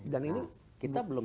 dan ini kita belum